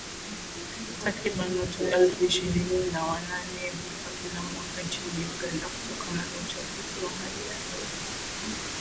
Takriban watu elfu ishirini na wanane hufa kila mwaka nchini Uganda kutokana na uchafuzi wa hali ya hewa.